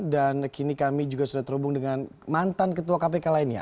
dan kini kami juga sudah terhubung dengan mantan ketua kpk lainnya